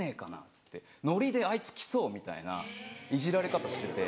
っつって「ノリであいつ来そう」みたいないじられ方してて。